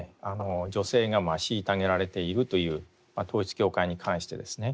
女性が虐げられているという統一教会に関してですね